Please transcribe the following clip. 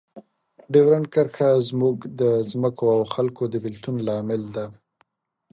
ډیورنډ کرښه زموږ د ځمکو او خلکو د بیلتون لامل ده.